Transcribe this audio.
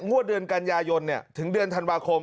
งวดเดือนกันยายนถึงเดือนธันวาคม